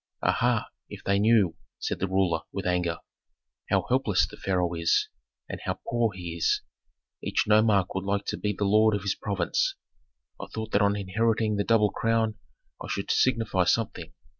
"Aha, if they knew," said the ruler, with anger, "how helpless the pharaoh is, and how poor he is, each nomarch would like to be the lord of his province. I thought that on inheriting the double crown I should signify something.